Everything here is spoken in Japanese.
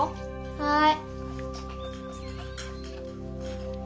はい。